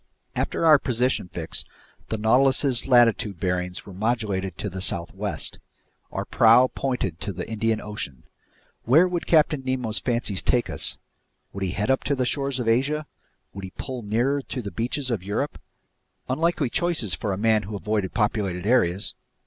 After our position fix, the Nautilus's latitude bearings were modulated to the southwest. Our prow pointed to the Indian Ocean. Where would Captain Nemo's fancies take us? Would he head up to the shores of Asia? Would he pull nearer to the beaches of Europe? Unlikely choices for a man who avoided populated areas!